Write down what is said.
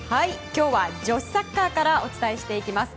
今日は女子サッカーからお伝えしていきます。